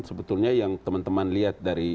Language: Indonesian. sebetulnya yang teman teman lihat dari